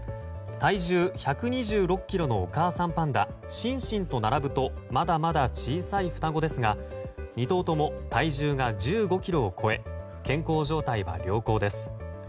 体重１２６ｋｇのお母さんパンダシンシンと並ぶとまだまだ小さい双子ですが２頭とも体重が１５ｋｇを超え健康状態は良好です。